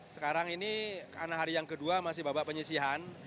sekarang ini karena hari yang kedua masih babak penyisihan